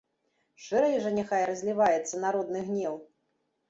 Шырэй жа няхай разліваецца народны гнеў!